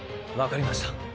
わかりました。